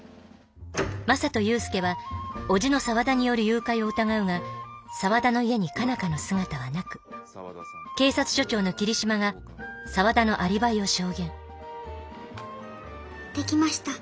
マサと勇介は叔父の沢田による誘拐を疑うが沢田の家に佳奈花の姿はなく警察署長の桐島が沢田のアリバイを証言出来ました。